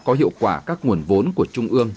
có hiệu quả các nguồn vốn của trung ương